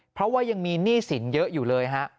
เพราะว่ายังมีหนี้สินเยอะอยู่เลยฮะ